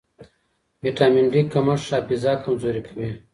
ویټامن ډي کمښت حافظه کمزورې کوي.